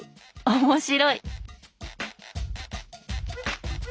面白い！